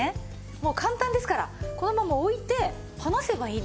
もう簡単ですからこのまま置いて離せばいいんです。